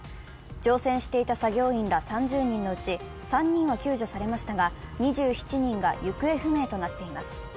乗船していた作業員ら３０人のうち３人は救助されましたが、２７人が行方不明となっています。